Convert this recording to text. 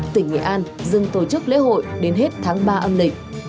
tỉnh nghệ an dừng tổ chức lễ hội đến hết tháng ba âm lịch